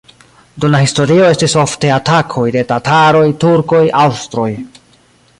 Dum la historio estis ofte atakoj de tataroj, turkoj, aŭstroj.